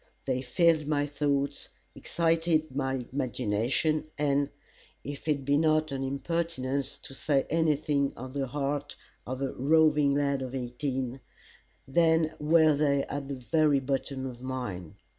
They filled my thoughts, excited my imagination, and, if it be not an impertinence to say any thing of the heart of a roving lad of eighteen, then were they at the very bottom of mine.